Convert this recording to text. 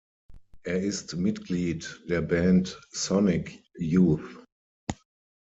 Er ist Mitglied der Band Sonic Youth.